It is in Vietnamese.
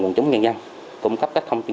nguồn chống nhân dân cung cấp các thông tin